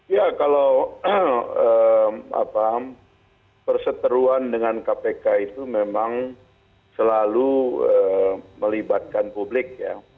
ya kalau perseteruan dengan kpk itu memang selalu melibatkan publik ya